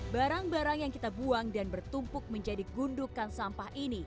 barang barang yang kita buang dan bertumpuk menjadi gundukan sampah ini